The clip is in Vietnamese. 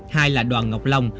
hai là đoàn ngọc long